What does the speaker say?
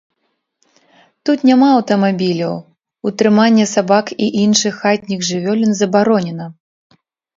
Тут няма аўтамабіляў, утрыманне сабак і іншых хатніх жывёлін забаронена.